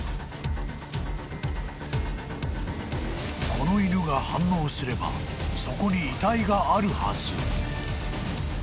［この犬が反応すればそこに遺体があるはず］